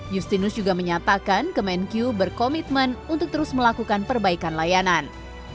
justinus juga menyatakan kemenkyu berkomitmen untuk terus melakukan perbaikan layanan